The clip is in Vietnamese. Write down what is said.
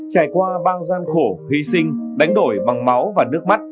trải qua bao gian khổ hy sinh đánh đổi bằng máu và nước mắt